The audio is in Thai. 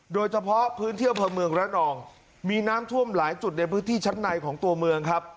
โดยเฉพาะพื้นที่อำเภอเมืองระนองมีน้ำท่วมหลายจุดในพื้นที่ชั้นในของตัวเมืองครับ